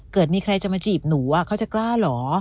เกิดมีใครจะมาจีบหนูเขาจะกล้าเหรอ